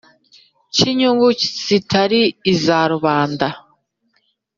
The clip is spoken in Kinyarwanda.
cy'inyungu zitari iza rubanda.